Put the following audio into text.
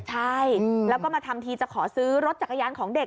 ใช่แล้วก็มาทำทีจะขอซื้อรถจักรยานของเด็ก